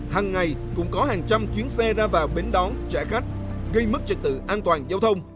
hàng ngày cũng có hàng trăm chuyến xe ra vào bến đón trả khách gây mất trật tự an toàn giao thông